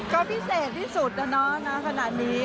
ก็พิเศษที่สุดนะเนาะขนาดนี้